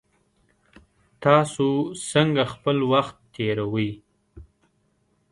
تاسو څنګه خپل وخت تیروئ؟